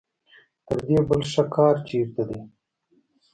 تر دې بل ښه کار چېرته دی.